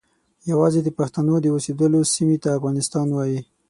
یوازې د پښتنو د اوسیدلو سیمې ته افغانستان وایي.